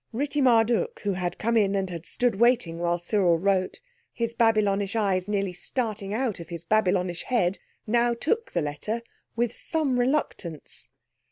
Ritti Marduk, who had come in and had stood waiting while Cyril wrote, his Babylonish eyes nearly starting out of his Babylonish head, now took the letter, with some reluctance.